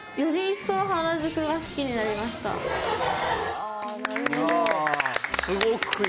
あなるほど。